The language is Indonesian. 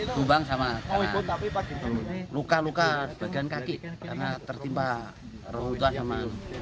lubang sama luka luka bagian kaki karena tertimpa rebutan sama